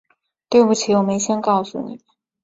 对不起，我没先告诉你